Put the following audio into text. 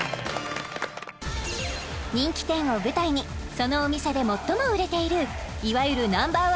人気店を舞台にそのお店で最も売れているいわゆるＮｏ．１